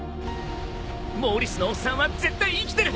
モーリスのおっさんは絶対生きてる。